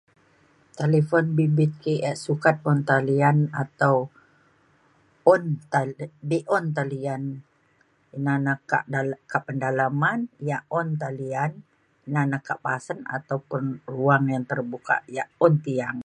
talifon bimbit ke yak sukat un talian atau un ta- be’un talian ina na kak peda- kak pendalaman yak un talian na na kak pasen ataupun ruang yang terbuka yak un tiang.